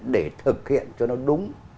để thực hiện cho nó đúng